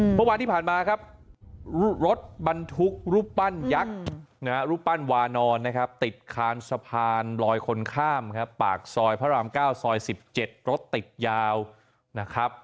เมื่อวานที่ผ่านมาครับรถบรรทุกรูปปั้นยักษ์รูปปั้นวานอนนะครับติดคานสะพานลอยคนข้ามครับปากซอยพระราม๙ซอย๑๗รถติดยาวนะครับ